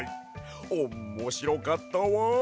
おんもしろかったわ！